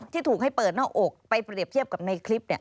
ที่ถูกให้เปิดหน้าอกไปเปรียบเทียบกับในคลิป